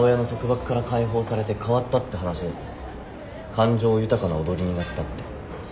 感情豊かな踊りになったって。